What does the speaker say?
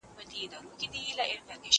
چي لا ګرځې پر دنیا باندي ژوندی یې